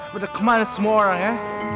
bener kemanis semua orang ya